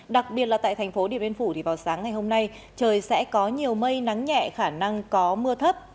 đặc biệt là tại thành phố điện biên phủ thì vào sáng ngày hôm nay trời sẽ có nhiều mây nắng nhẹ khả năng có mưa thấp